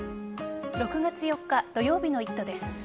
６月４日土曜日の「イット！」です。